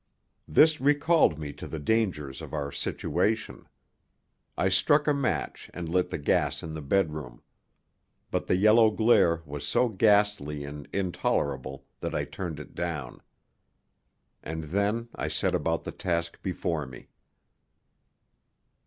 This recalled me to the dangers of our situation. I struck a match and lit the gas in the bedroom. But the yellow glare was so ghastly and intolerable that I turned it down. And then I set about the task before me.